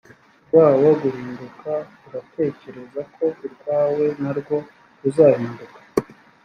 rwabo guhinduka uratekereza ko urwawe narwo ruzahinduka